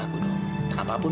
jangan melaksanakan kevelangan